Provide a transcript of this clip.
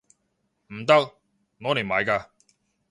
唔得！攞嚟賣㗎